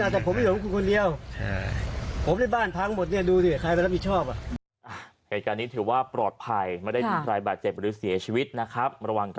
แต่ผมไม่เห็นว่าคุณคนเดียวผมได้บ้านทั้งหมดดูดิใครเป็นรับผิดชอบ